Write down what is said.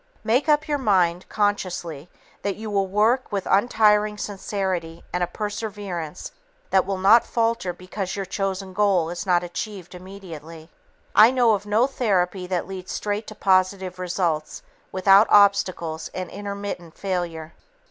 Make up your mind, consciously, that you will work with untiring sincerity and a perseverance that will not falter because your chosen goal is not achieved immediately. I know of no therapy that leads straight to positive results without obstacles and intermittent failure.